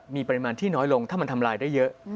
มีปริมาณที่น้อยลงถ้ามันทำลายได้เยอะ